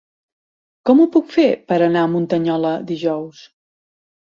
Com ho puc fer per anar a Muntanyola dijous?